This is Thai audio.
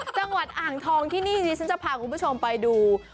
จังหวัดอ่างทองที่นี่ดิฉันจะพาคุณผู้ชมไปดู